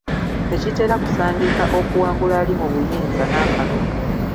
Tekitera kusangika okuwangula ali mu buyinza n'akalulu.